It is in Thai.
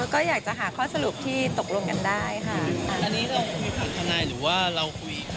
ก็อยากจะหาข้อสรุปที่ตกลงกันได้ค่ะ